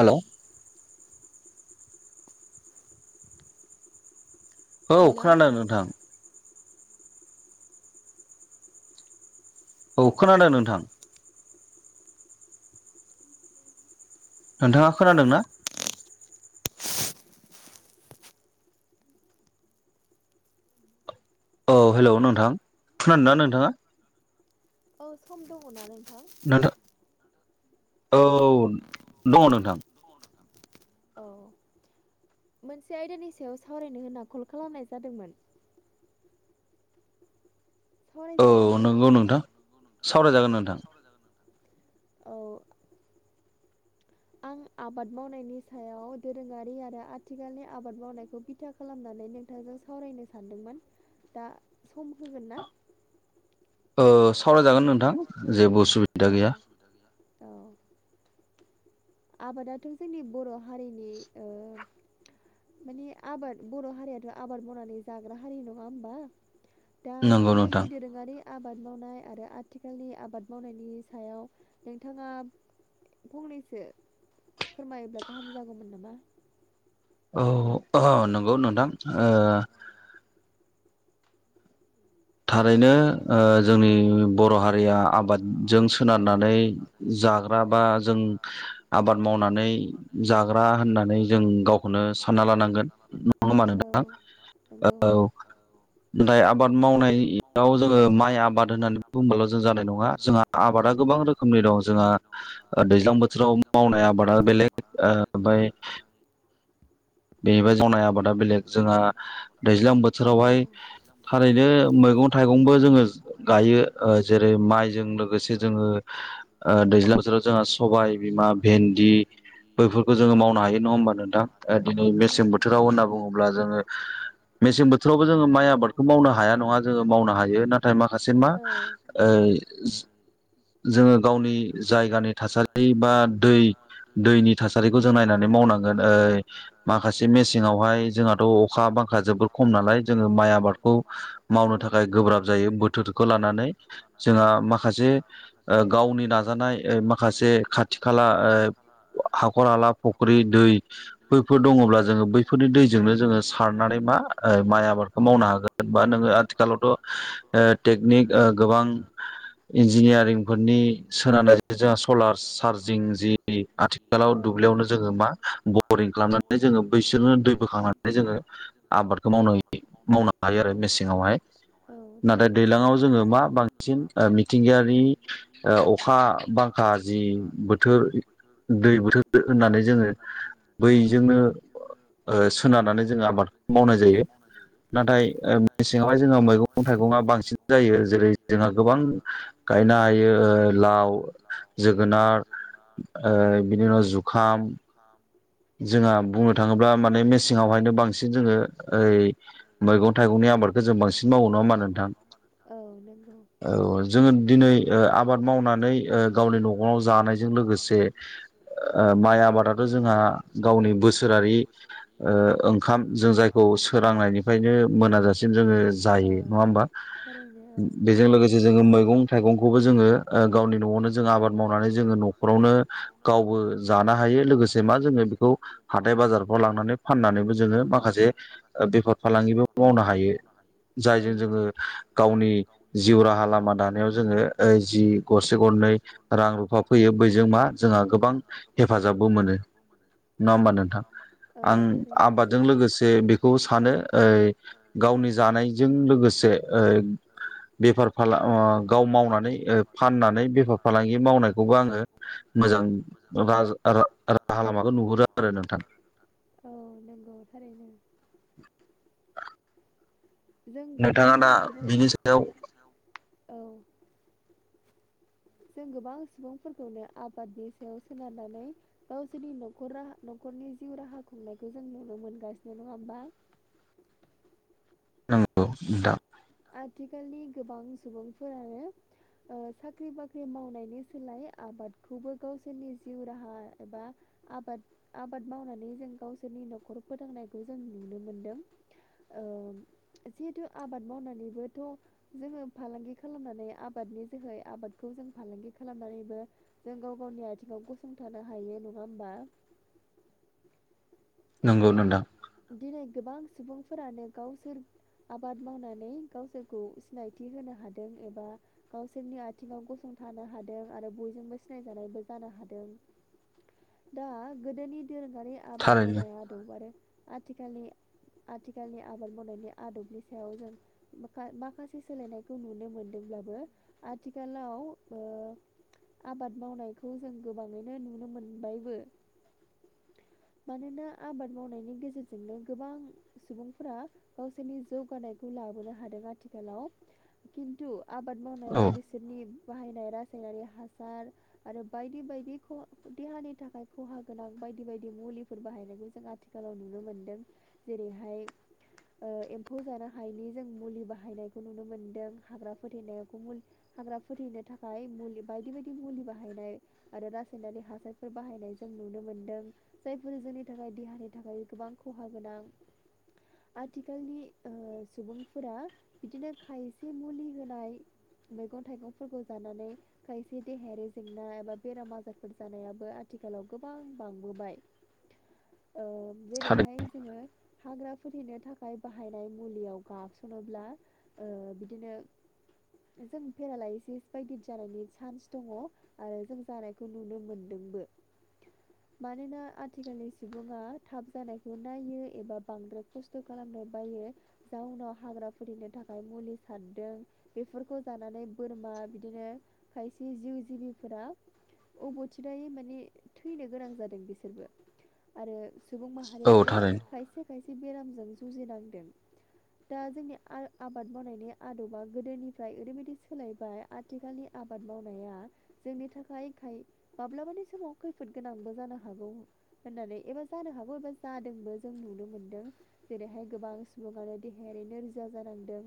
हेल' [inaudible] औ खोनादों नोंथां। औ खोनादों नोंथां। नोंथाङा खोनादों ना? औ हेलौ नोंथां खोनादोंना नोंथाङा? औ सम दङना नोंथां? नोंथां औ औ दङ नोंथां। औ मोनसे आयदानि सायाव सावरायनो होनना कल खालामनाय जादोंमोन। सावरायजागोन ना? औ नोंथां। सावरायजागोन [unintelligible] औ आं आबाद मावनायनि सायाव दोरोङारि आरो आथिखालनि आबाद मावनायखौ बिथा खा खालामनानै नोंथांजों सावरायनो सानदोंमोन दा सम होगोन ना? ओ सावरायजागोन नोंथां जेबो उसुबिदा गैया। सुबिदा गैया औ आबादाथ' जोंनि बर' हारिनि ओ माने आबाद बर' हारियाथ' आबाद मावनानै जाग्रा हारि नङा होमबा दा गोदोनि दोरोङारि आबाद मावनाय आरो आथिखालनि आबाद मावनायनि सायाव नोंथाङा फंनैसो फोरमायोब्ला गाहाम जागौमोन नामा। औ अ नंगौ नोंथां ओ थारैनो ओ जोंनि बर' हारिया आबादजों सोनारनानै जाग्रा बा जों आबाद मावनानै जाग्रा होननानै जों गाव खौनो सानना लानांगोन [unintelligible] नोंथां औ दाय आबाद मावनाय ए आव जोङो माइ आबाद होननानै बुङबाल' जों जानाय नङा जोंहा आबादा गोबां रोखोमनि दं जोंहा दैज्लां बोथोराव मावनाय आबादा बेलेग ओ ओमफ्राय [unintelligible] जनाय आबादा बेलेग जोंहा दैज्लां बोथोरावहाय थारैनो मैगं थाइगं गंबो जोङो जो गायो जेरै माइजों लोगोसे जोङो ओ दैज्लां बोथोराव जोंहा सबायाइ बिमा भेन्दि बैफोरखौ जोङो मावनो हायो नङा होमबा नोंथां। दिनै मेसें बोथोराव होनना बुङोब्ला जोङो मेसें बोथोरावबो जोङो माइ आबादखौ मावनो हाया नङा जोङो माव मावनो हायो नाथाय माखासे मा ओ जोङो गावनि जायगानि थासारि बा दै दैनि था सारिखौ जों नायनानै मावनांगोन ओ माखासे मेसेंआवहाय जोंहाथ' अखा बांखा जोबोद खम नालाय जोङो माइ आबादखौ मावनो थाखाय गोब्राब जायो बोथोरखौ लानानै जोंहा माखासे ओ गावनि नाज [unintelligible] ओ माखासे खाथि खाला हाखर हाला फख्रि दै बैफोर दङब्ला जोङो बैफोरनि दैजोंनो जोङो सारनानै मा ओ माइ आबादखौ मावनो हागोन [unintelligible] नोङो आथिखालावथ'ओ टेकनिक ओ गोबां इन्जिनियारिंफोरनि सोनारनाय जोंहा सलार चार्जिं जि आथिखालाव दुब्लियावनो जोङो मा बरिं खालामनानै नो जोङो बैसोरनो दै बोखांनानै जोङो आबादखौ मावना मावनो हायो आरो मेसेङावहाय औ थारैनो नाथाय दैलाङाव जोङो मा मानसि ओ मिथिंगायारि ओ अखा बांखा जि बोथोर दै बोथोर होननानै जोङो बैजोंनो ओ सोनारनानै जोङो आबादखौ मावनाय जायो नाथाय मेसेङावहाय जोङो मैगं मैगं-थाइगङा बांसिन जायो जेरै जोंहा गोबां गायनो हायो। ओ लाव, जोगोनार बिनि उनाव जुखाम थाम जोंहा बुंनो थाङोब्ला माने मेसेंआवहायनो बांसिन जोङो ओइ मैगं-थाइगंनि आबादखौ जों बांसिन मावो नङा मा नोंथां औ जोङो दिनै ओ आबाद मावनानै ओ गावनि न'खराव जानायजों लोगोसे माइ आबादाथ' जोंहा गावनि बोसोरारि ओ ओंखाम जों जायखौ सोरांनायनिफ्रायनो मोना जाासिग बांसिन जोङो जायो नङा होमबा बेजों लोगोसे जो मैगं-थाइगंखौबो जोङो गावनि न'आवनो जों आबाद मावनानै जोङो न'खरावनो गावबो जानो हायो लोगोसे मा जोङो खौ हाथाय बाजारफ्राव लांनानै फाननानैबो जोङो माखासे ओ बेफार फालांगिबो मावनो हायो। जायजों जोङो गावनि जिउ राहा लामा दानायाव जोङो ओ जि गरसे गरनै रां रुफा फैयो बैजों मा जोंहा गोबां हेफाजाबबो मोनो। नङा होमबा नोंथां आं आबादजों लोगोसे बेखौ सानो ओइ गावनि जानायजों लोगोसे ओ बेफार फालां गाव मावनानै ओ फान नानै बेफार फालांगि मावनायखौबो आङो मोजां रा-रा-रा-राहा लामाखौ नुहुरो आरो नोंथां औ नंगौ थारैनो। जों गोबां सुबुं बेयाव औ जों गोबां सुबुंफोरखौनो आबादनि सायाव सोनारनानै गावसोरनि न'खर राहा न'खरनि जिउ राहा खुंनायखौ जों नुनो मोनगासिनो नङा होमबा। ओ नंगौ नोंथां आथिखालनि गोबां सुबुंफोरानो ओ साख्रि बाख्रि मावनायनि सोलाय आबादखौबो गावसोरनि जिउ राहा एबा आबाद आबाद मावनानै जों गावसोरनि न'खर फोथांनायखौ जों नुनो मोनदों। ओ जिहेथु आबाद मावनानैबोथ' जोङो फालांगि खालामनानै आबादनि जोहै आबादखौ जों फालांगि खालामनानैबो जों गाव गावनि आथिङाव गसंथानो हायो नङा होमबा। नंगौ नोंथां दिनै गोबां सुबुंफोरानो गावसोर आबाद मावनानै गावसोरखौ सिनायथि होनो हादों एबा गावसोरनि आथिङाव गसंथानो हादों आरो बयजोंबो सिनायजानायबो जानो हादों। दा गोदोनि दोरोङारि आबाद मावनाया दं आरो आथिखालनि आथिखालनि आबाद मावनायनि आदबनि सायाव जों माखा-माखासे सोलायनायखौ नुनो मोनदोंब्लाबो आथिखालाव ओ आबाद मावनायखौ जों गोबाङैनो नुनो मोनबायबो। मानोना आबाद मावनायनि गेजेरजोंनो गोबां सुबुंफोरा गावसोरनि जौगानायखौ लाबोनो हादों आथिखालाव खिन्थु आबाद मावनायाव बेस सोरनि बाहायनाय रासायनारि हासार आरो बायदि बायदि खह देहानि थाखाय खहा गोनां बायदि बायदि मुलिफोर बाहायनायखौ जों आथिखालाव नु नुनो मोनदों जेरैहाय ओ एम्फौ जानो हायैनि जों मुलि बाहायनायखौ नुनो मोन्दों हाग्रा फोथैनायाखौ मुलि हाग्रा फोथैनो थाखाय मुलि बायदि बायदि मुलि बाहायनाय आरो रासायनारि हासारफोर बाहायनाय जों नुनो मोनदों जायफोर जोंनि थाखाय देहानि थाखाय गोबां खहा गोनां आथिखालनि ओ सुबुंफोरा बिदिनो खायसे मुलि होनाय मैगं थाइगंफोरखौ जानानै खायसे देहायारि जेंना एबा बेराम आजारफोर जानायाबो आथिखालाव गोबां बांबोबाय [inaudible] ओ जेरैहाय जोङो हाग्रा फोथैनो थाख खाय बाहायनाय मुलियाव गाबसनोब्ला ओ बिदिनो जों पेरालायसिस बायदि जानायनि चान्स दङ आरो जों जानायखौ नुनो मोनदोंबो मानोना आथिखालनि सुबुङा थाब जानायखौ नायो एबा बांद्राय खस्थ' खालामनो बायो जाउनाव हाग्रा फोथैनो थाखाय मुलि सारदों बेफोरखौ जानानै बोरमा बिदिनो खायसे जिउ जिबिफोरा अबथिरायै माने थैनो गोनां जादों बिसोरबो आरो सुबुं माहारियाबो खायसे खायसे बेरामजों जुजिनांदों दा जोंनि आर आबाद मावनायनि आदबा गोदोनिफ्राय ओरैबायदि सोलायबाय आथिखालनि आबाद मावनाया जोंनि थाखाय खाय माब्लाबानि समाव खैफोद गोनांबो जानो हागौ होननानै एबा जानो हागौ एबा जादोंबो जों नुनो मोनदों जेरैहाय गोबां सुबुङानो देहायारि नोरजिया जालांदों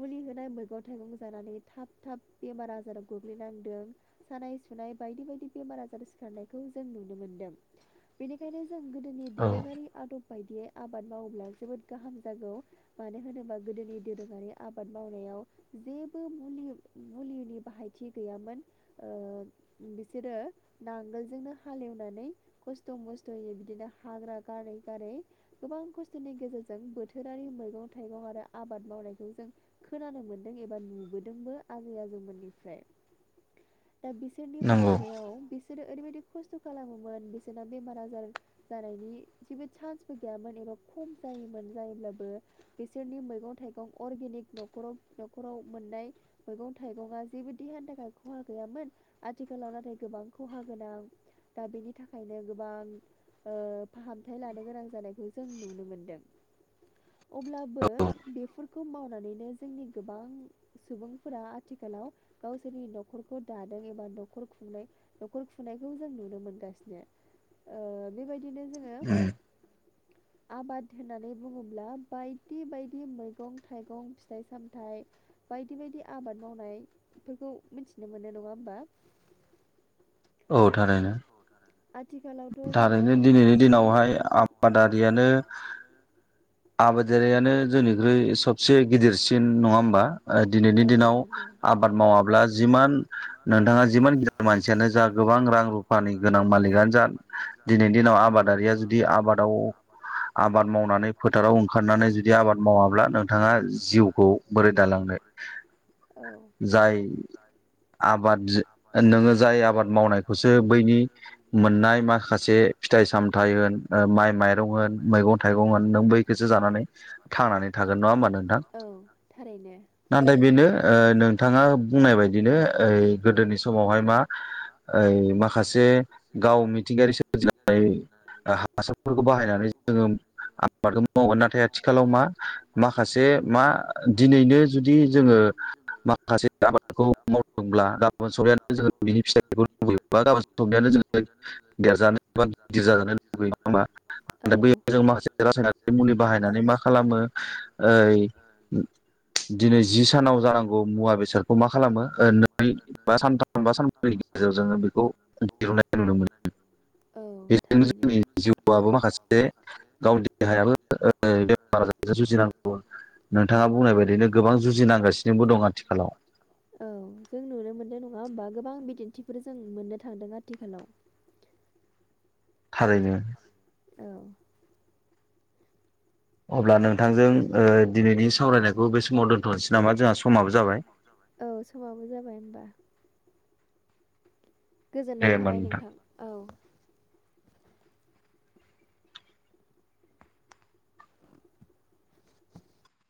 मुलि होनाय मैगं थाइगं जानानै थाब थाब बेमार आजाराव गोग्लैनांदों सानाय सुनाय बायदि बायदि बेमार आजार सिखारनायखौ जों नुनो मोन्दों बेनिखायनो जों गोदोनि दोरोङारि आदब बायदियै आबाद मावोब्ला जोबोद गाहाम जागौ मानो होनोबा गोदोनि दोरोङारि आबाद मावनायाव जेबो मुलि मुलिनि बाहायथि गैयामोन ओ बिसोरो नांगोलजोंनो हालेवनानै [unintelligible] मस्थ'यै बिदिनो हाग्रा गारै गारै गोबां खस्थ'नि गेजेरजों बोथोरारि मैगं थाइगं आरो आबाद मावनायखौ जों खोनानो मोनदों एबा नुबोदोंबो आजै आजौमोननिफ्राय दा बिस सोरनि बाहायनायाव बिसोरो ओरैबायदि खस्थ' खालामोमोन बिसोरना बेमार आजार जानायनि जेबो चान्सबो गैयामोन एबा खम जायोमोन जायोब्लाबो बिसोरनि मैगं थाइगं अर्गेनिक न'खराव न'खराव मोननाय मैगं थाइगंआ जेबो देहानि थाखाय खहा गैयामोन आथिखालाव नाथाय गोबां खहा गोनां दा बेनि थाख खायनो गोबां ओ फाहामथाय लानो गोनां जानायखौ जों नुनो मोनदों अब्लाबो बेफोरखौ मावनानैनो जोंनि गोबां सुबुंफोरा आथिखालाव गावसोरनि न'खरखौ दादों एबा न'खर खुंनाय न'खर खुनायखौ जों नुनो मोनगासिनो ओ बेबायदिनो जोङो आबाद होननानै बुङोब्ला बायदि बायदि मैगं थाइगं फिथाइ सामथाइ बायदि बायदि आबाद मावनाय फोरखौ मिथिनो मोनो नङा होमबा औ थारैनो आथिखालाव थारैनो दिनैनि दिनावहाय आबादारियानो [inaudible] आबादारियानो जोंनिख्रोइ सबसे गिदिरसिन नङा होमबा ओ दिनैनि दिनाव आबाद मावाब्ला जिमान नोंथाङा जिमान गिदिर मानसियानो जा गोबां रां रु फानि गोनां मालिकआनो जा दिनैनि दिनाव आबादारिया जुदि आबादाव आबाद मावनानै फोथाराव ओंखारना नै जुदि आबाद मावाब्ला नोंथाङा जिउखौ बोरै दालांनो। जाय आबाद नोङो जाय आबाद मावनायखौसो बैनि मोननाय मा खासे फिथाइ सामथाय होन ओ माइ माइरं होन मैगं थाइगं होन नों बैखौसो जा नानै थांनानै थागोन नङा होमबा नोंथां? नाथाय बेनो ओ नोंथाङा बुंनाय बायदिनो ओ गोदोनि समावहाय मा ओय माखासे गाव निथि [unintelligible] हासारफोरखौ बाहायनानै जोङो आबादखौ मावगोन ना नाथाय आथिखालाव मा माखासे मा दिनैनो जुदि जोङो माखासे आबादखौ मावदोंब्ला गाबोन समनिहानि गेजेराव बिनि फिथाइखौ लुबैयोबा गाबोन समनिहानो जोङो देरजानो बा गिदिर जाजानो लुबगैयो [unintelligible] जों माखासे रासायनारि मुलि बाहायनानै मा खालामो ओइ दिनै जि सानाव जानांगौ मुवा बेसादखौ मा खालामो नै बा सानथाम सानबा सानब्रै नि गेजेराव जोङो बेखौ दिहुननाय नुनो मोनो बेजोंनो जोंनि जिउआबो माखासे गावनि देहायाबो [unintelligible] जुजिनांगौ नोंथाङा बुंनाय बायदिनो गोबां जुजिनांगासिनोबो दं आथिखालाव। औ जों नुनो मोन्नो नङा होमबा गोबां बिदिन्थिफोर जों मोननो थांदों आथिखालाव। थारैनो। औ। अब्ला नोंथांजों ओ दिनैनि सावरायनायखौ बे समाव दोन्थ'नोसै नामा जोंहा समाबो जाबाय। औ समाबो जाबाय होमबा गोजोननाय थाबाय नोंथां। औ।